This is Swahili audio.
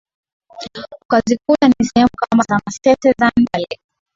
ukazikuta ni sehemu kama za masese zandale